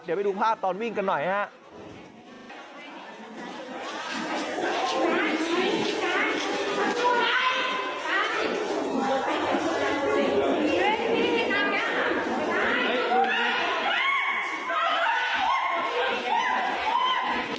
เดี๋ยวไปดูภาพตอนวิ่งกันหน่อยครับ